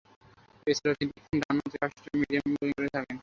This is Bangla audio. এছাড়াও তিনি ডানহাতে ফাস্ট-মিডিয়াম বোলিং করে থাকেন।